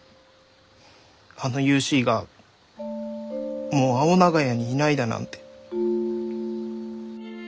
あのユーシーがもう青長屋にいないだなんて。